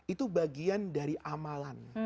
itu bagian dari amal